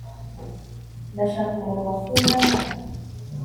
ndashaka umuntu wakundana